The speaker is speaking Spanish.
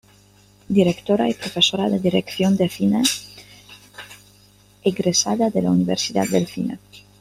Directora y profesora de dirección de cine egresada de la Universidad del Cine.